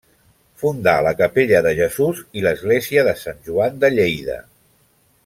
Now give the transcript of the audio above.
Fundà la capella de Jesús i l'església de Sant Joan de Lleida.